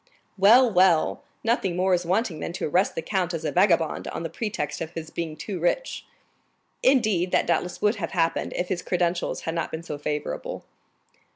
"Well, well! Nothing more is wanting than to arrest the count as a vagabond, on the pretext of his being too rich." "Indeed, that doubtless would have happened if his credentials had not been so favorable."